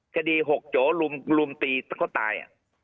คดีหกโจรุมตีก็ตาย